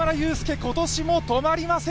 今年も止まりません。